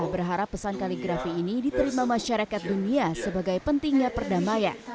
berharap pesan kaligrafi ini diterima masyarakat dunia sebagai pentingnya perdamaian